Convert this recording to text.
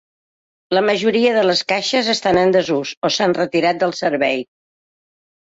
La majoria de les caixes estan en desús o s'han retirat del servei.